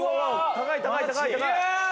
高い高い高い高い！」